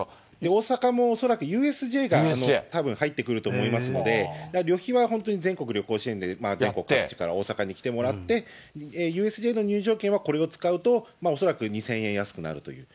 大阪も恐らくＵＳＪがたぶん入ってくると思いますので、旅費は本当に全国旅行支援で全国各地から大阪に来てもらって、ＵＳＪの入場券はこれを使うと、恐らく２０００円安くなる。